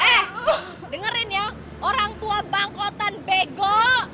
eh dengerin ya orang tua bangkotan bego